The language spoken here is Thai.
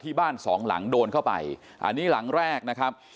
บ้านสองหลังโดนเข้าไปอันนี้หลังแรกนะครับ